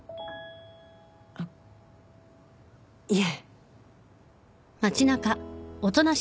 あっいえ。